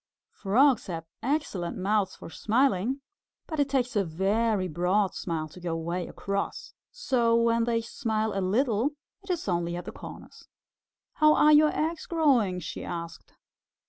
Frogs have excellent mouths for smiling, but it takes a very broad smile to go way across, so when they smile a little it is only at the corners. "How are your eggs growing?" she asked.